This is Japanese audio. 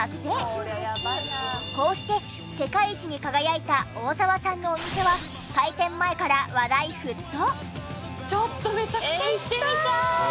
こうして世界一に輝いた大澤さんのお店は開店前から話題沸騰！